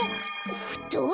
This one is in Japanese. ふとい！